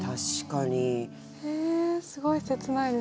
ええすごい切ないです。